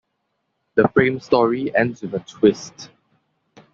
The frame story ends with a twist.